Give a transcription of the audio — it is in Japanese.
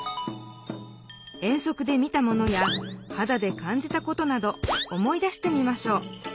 遠足で見たものやはだでかんじたことなど思い出してみましょう。